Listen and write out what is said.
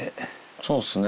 そうっすね。